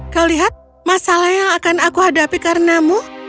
kau lihat masalah yang akan aku hadapi karenamu